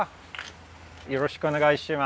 よろしくお願いします。